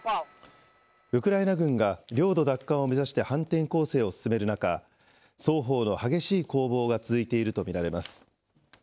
ウクライナ軍が領土奪還を目指して反転攻勢を進める中、双方の激しい攻防が続いていると見られます。